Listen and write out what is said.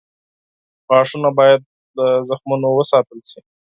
غاښونه باید له زخمونو وساتل شي.